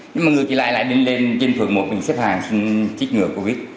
nhưng mà người ta lại lên trên phường một mình xếp hàng xin chích ngừa covid